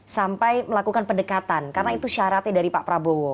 sampai melakukan pendekatan karena itu syaratnya dari pak prabowo